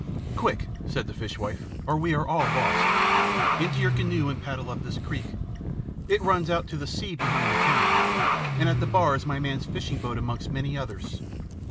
"Quick!" said the fishwife, "or we are all lost. Into your canoe and paddle up this creek. It runs out to the sea behind the town, and at the bar is my man's fishing boat amongst many others.